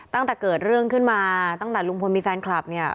ตั้งแต่เกิดเรื่องขึ้นมาตั้งแต่ลุงพลมีแฟนคลับเนี่ย